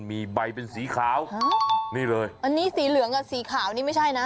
มีใบเป็นสีขาวนี่เลยอันนี้สีเหลืองกับสีขาวนี่ไม่ใช่นะ